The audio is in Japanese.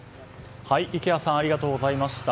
池谷さんありがとうございました。